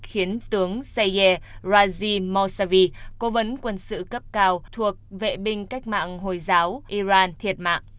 khiến tướng sayyad razim morsavi cố vấn quân sự cấp cao thuộc vệ binh cách mạng hồi giáo iran thiệt mạng